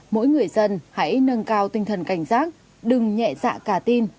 mỗi người dân hãy nâng cao tinh thần cảnh giác đừng nhẹ dạ cả tin